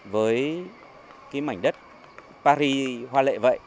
với cái mảnh đất paris hoa lệ vậy